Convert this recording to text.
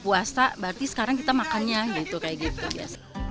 puasa berarti sekarang kita makannya gitu kayak gitu biasa